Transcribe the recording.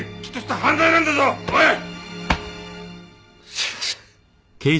すいません。